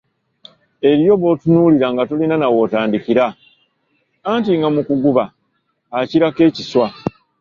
Eriyo botunuulira nga tolina na womutandikira, anti nga mu kuguba akirako ekiswa.